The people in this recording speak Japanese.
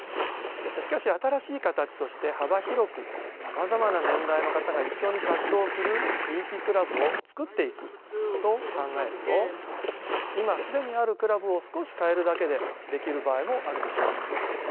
しかし新しい形として幅広くさまざまな年代の方が一緒に活動する地域クラブを作っていくと考えると今既にあるクラブを少し変えるだけでできる場合もあるでしょう。